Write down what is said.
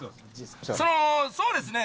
そのそうですね